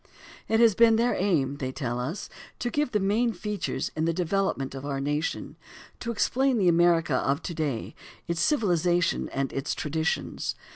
It has been their aim, they tell us, "to give the main features in the development of our nation, to explain the America of to day, its civilization and its traditions."